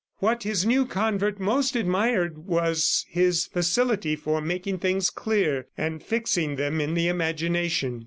What his new convert most admired was his facility for making things clear, and fixing them in the imagination.